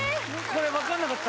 これ分かんなかった。